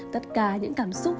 tất cả những cảm xúc